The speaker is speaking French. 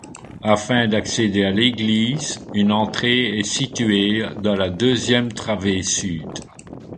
Afin d'accéder à l'église, une entrée est située dans la deuxième travée sud.